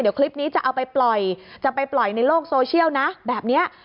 เดี๋ยวคลิปนี้จะเอาไปปล่อยจะไปปล่อยในโลกโซเชียลนะแบบนี้